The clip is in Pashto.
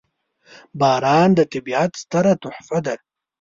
• باران د طبیعت ستره تحفه ده.